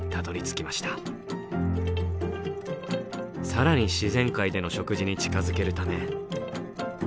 更に自然界での食事に近づけるため。